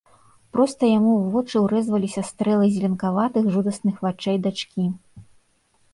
Проста яму ў вочы ўрэзваліся стрэлы зеленкаватых жудасных вачэй дачкі.